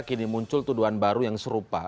kini muncul tuduhan baru yang serupa